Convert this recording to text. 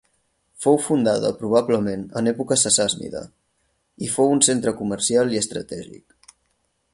Fou fundada probablement en època sassànida i fou un centre comercial i estratègic.